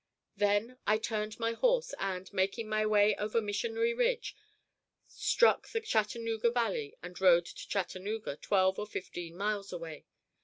Then I turned my horse, and, making my way over Missionary Ridge, struck the Chattanooga Valley and rode to Chattanooga, twelve or fifteen miles away.